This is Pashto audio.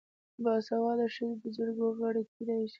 باسواده ښځې د جرګو غړې کیدی شي.